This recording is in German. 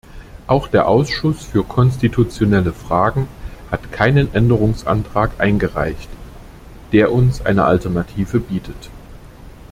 Der Ausschuss für konstitutionelle Fragen hat keinen Änderungsantrag eingereicht, der uns eine Alternative bietet.